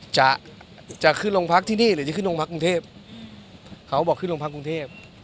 จะจะขึ้นโรงพักที่นี่หรือจะขึ้นโรงพักกรุงเทพเขาบอกขึ้นโรงพักกรุงเทพ